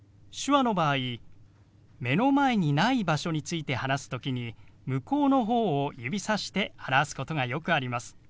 手話の場合目の前にない場所について話す時に向こうの方を指さして表すことがよくあります。